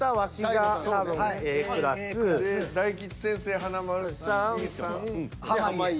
で大吉先生華丸さん。濱家。